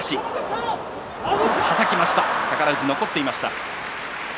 宝富士、残っていました。